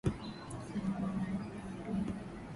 wanyama wanaoubeba mwilini